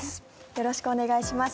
よろしくお願いします。